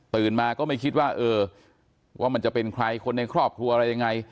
มาก็ไม่คิดว่าเออว่ามันจะเป็นใครคนในครอบครัวอะไรยังไง